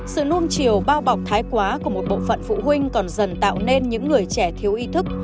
sự nôm chiều bao bọc thái quá của một bộ phận phụ huynh còn dần tạo nên những người trẻ thiếu ý thức